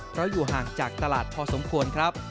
เพราะอยู่ห่างจากตลาดพอสมควรครับ